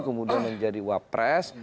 kemudian menjadi wak pres